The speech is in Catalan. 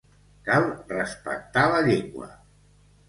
Cal respectar la llengua.